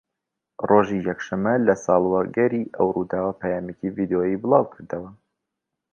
ڕۆژی یەکشەمە لە ساڵوەگەڕی ئەو ڕووداوە پەیامێکی ڤیدۆیی بڵاوکردەوە